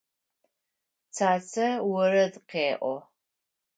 Цацэ орэд къеӏо.